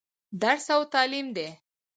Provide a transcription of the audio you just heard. درس او تعليم دى.